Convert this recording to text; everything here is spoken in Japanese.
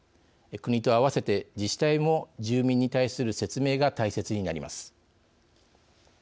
国とあわせて自治体も住民に対する説明が大切になります。